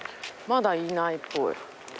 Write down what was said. まだいないっぽい。